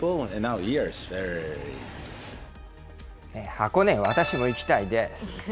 ハコネ、私も行きたいです。